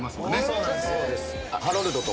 そうです。